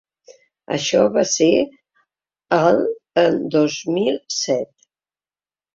Això va ser el dos mil set.